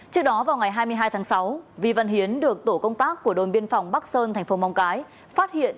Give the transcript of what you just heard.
trước đó vào ngày hai mươi hai tháng sáu vi văn hiến được tổ công tác của đồn biên phòng bắc sơn tp mong cái phát hiện